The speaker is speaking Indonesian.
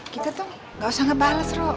kita tuh gak usah ngebales rok